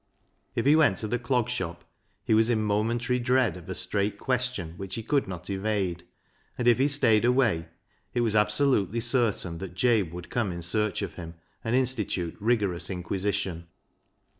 If he went to the Clog Shop he was in momentary dread of a straight question which he could not evade, and if he stayed away it was absolutely certain that Jabe would come in search of him and institute rigorous inquisi tion.